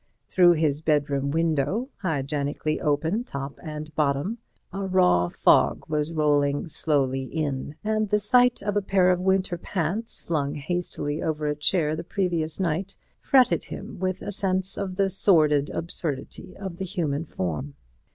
Through his bedroom window, hygienically open top and bottom, a raw fog was rolling slowly in, and the sight of a pair of winter pants, flung hastily over a chair the previous night, fretted him with a sense of the sordid absurdity of the human form.